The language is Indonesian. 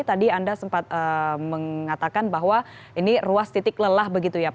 tadi anda sempat mengatakan bahwa ini ruas titik lelah